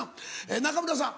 仲村さん。